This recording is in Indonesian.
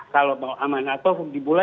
kalau mau aman atau dibuka